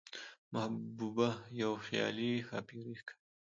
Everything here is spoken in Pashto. محبوبه يوه خيالي ښاپېرۍ ښکاري،